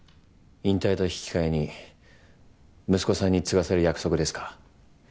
引退と引き換えに息子さんに継がせる約束ですか？